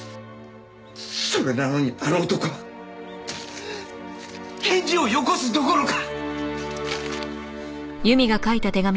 それなのにあの男は返事をよこすどころか！